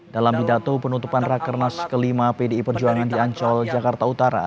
dalam bidato penutupan rakernas kelima pdi perjuangan di ancol jakarta utara